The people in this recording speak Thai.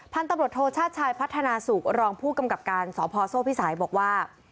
พันธุ์ตำรวจโทชาติชายพัฒนาสุกรองผู้กำกับการสพโซ่พิสัยบอกว่า